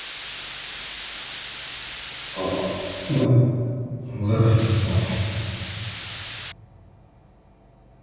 ああごめん驚かせてすまない。